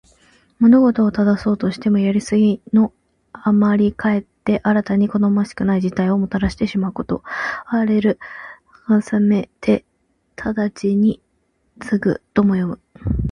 物事を正そうとして、やりすぎのあまりかえって新たに好ましくない事態をもたらしてしまうこと。「枉れるを矯めて直きに過ぐ」とも読む。